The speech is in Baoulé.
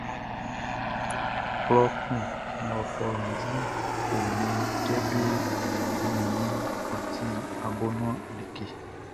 Klɔ kun mɔ fɔundi o nunʼn, kɛ be wun iʼn, ɔ ti abonuan like.